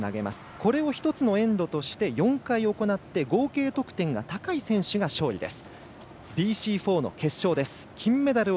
これを１つのエンドとして４回行って合計得点が高い選手が勝利です。